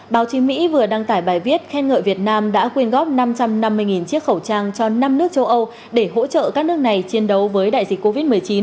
báo chí mỹ vừa đăng tải bài viết khen ngợi việt nam đã quyên góp năm trăm năm mươi chiếc khẩu trang cho năm nước châu âu để hỗ trợ các nước này chiến đấu với đại dịch covid một mươi chín